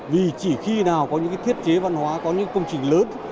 vì chỉ khi nào có những thiết chế văn hóa có những công trình lớn